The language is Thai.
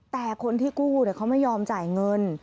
แต่คนที่กู้เขาไม่ยอมจ่ายเงิน